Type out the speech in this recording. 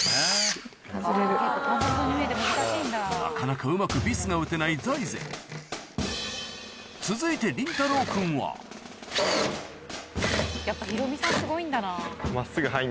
なかなかうまくビスが打てない財前続いて凛太郎君はやっぱヒロミさんすごいんだな。